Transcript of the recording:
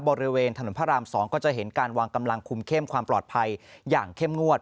บริเวณถนนพระราม๒ก็จะเห็นการวางกำลังคุมเข้มความปลอดภัยอย่างเข้มงวด